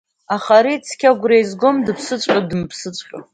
Аха ари цқьа агәра изгом дыԥсыҵәҟьоу, дымԥсыҵәҟьоу.